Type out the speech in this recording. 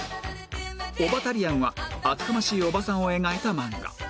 『オバタリアン』は厚かましいおばさんを描いた漫画